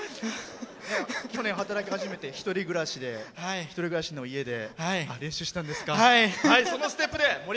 去年、働き始めて１人暮らしで。